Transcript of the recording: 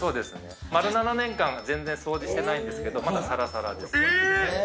丸７年間、全然掃除してないんですけど、まだサラサラです。